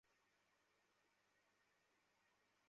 যেনতেন বিষয়ে বলিনি, পিএইচডির কথা বলছি আমি!